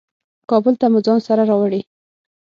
کابل ته مو ځان سره راوړې.